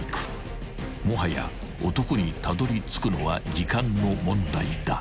［もはや男にたどりつくのは時間の問題だ］